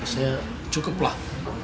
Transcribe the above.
bagi saya cukuplah